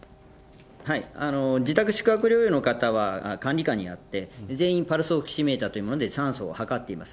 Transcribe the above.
自宅、宿泊療養の方は管理下にあって、全員、パルスオキシメーターというもので酸素を測っています。